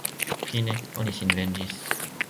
Fine, oni sin venĝis.